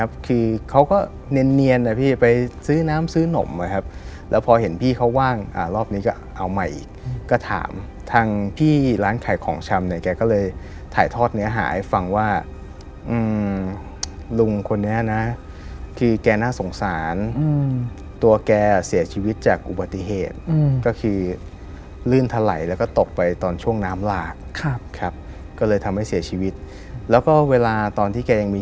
คือเขาก็เนียนนะพี่ไปซื้อน้ำซื้อนมนะครับแล้วพอเห็นพี่เขาว่างอ่ารอบนี้ก็เอาใหม่อีกก็ถามทางพี่ร้านขายของชำเนี่ยแกก็เลยถ่ายทอดเนื้อหาให้ฟังว่าลุงคนนี้นะคือแกน่าสงสารตัวแกเสียชีวิตจากอุบัติเหตุก็คือลื่นถลัยแล้วก็ตกไปตอนช่วงน้ำหลากครับครับก็เลยทำให้เสียชีวิตแล้วก็เวลาตอนที่แกยังมี